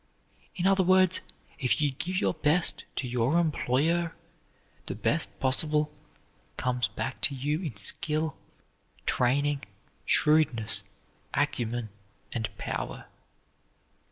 In other words, if you give your best to your employer, the best possible comes back to you in skill, training, shrewdness, acumen, and power.